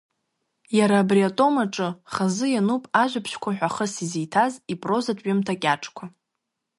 Иара абри атом аҿы хазы иануп Ажәабжьқәа ҳәа хыс изиҭаз ипрозатә ҩымҭа кьаҿқәа…